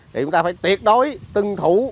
thì chúng ta phải tiệt đối tân thủ